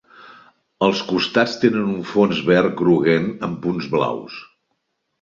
Els costats tenen un fons verd groguenc amb punts blaus.